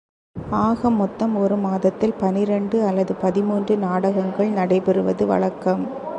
ஆக மொத்தம் ஒரு மாதத்தில் பன்னிரண்டு அல்லது பதிமூன்று நாடகங்கள் நடைபெறுவது வழக்கம்.